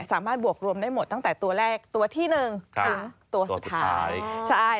สามารถบวกรวมได้หมดตั้งแต่ตัวแรกตัวที่หนึ่งตัวสุดท้าย